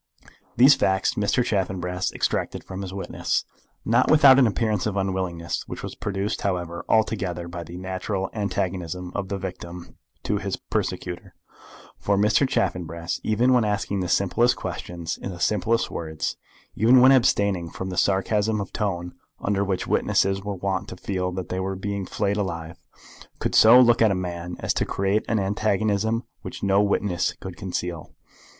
These facts Mr. Chaffanbrass extracted from his witness, not without an appearance of unwillingness, which was produced, however, altogether by the natural antagonism of the victim to his persecutor; for Mr. Chaffanbrass, even when asking the simplest questions, in the simplest words, even when abstaining from that sarcasm of tone under which witnesses were wont to feel that they were being flayed alive, could so look at a man as to create an antagonism which no witness could conceal.